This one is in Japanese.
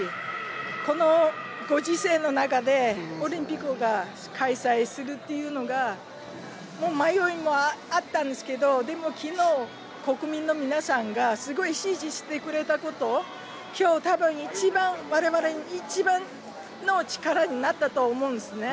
このご時世の中でオリンピック開催するというのは迷いもあったんですけどでも、国民の皆さんがすごく支持してくれたことが今日たぶん一番我々の力になったと思うんです。